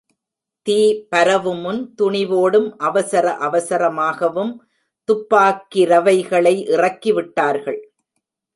தீ பரவுமுன் துணிவோடும் அவசர அவசரமாகவும் துப்பாக்கிரவைகளை இறக்கிவிட்டார்கள்.